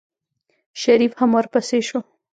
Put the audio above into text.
شريف هم ورپسې شو.